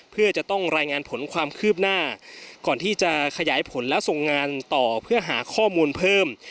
เพื่อจะต้องรายงานผลความคืบหน้าก่อนที่จะขยายผลและส่งงานต่อเพื่อหาข้อมูลเพิ่ม